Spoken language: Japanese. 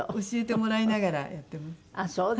教えてもらいながらやってます。